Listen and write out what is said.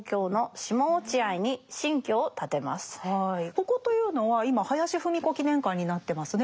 ここというのは今林芙美子記念館になってますね。